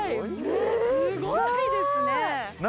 すごいですね。